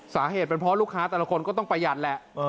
สาเหตุเป็นเพราะลูกค้าแต่ละคนก็ต้องประหยัดแหละ